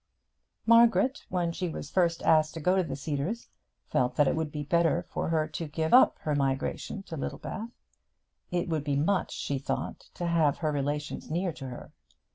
Margaret, when she was first asked to go to the Cedars, felt that it would be better for her to give up her migration to Littlebath. It would be much, she thought, to have her relations near to her.